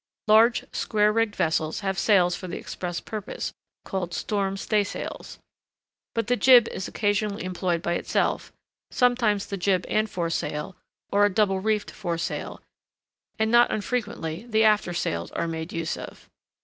Large square rigged vessels have sails for the express purpose, called storm staysails. But the jib is occasionally employed by itself,—sometimes the jib and foresail, or a double reefed foresail, and not unfrequently the after sails, are made use of.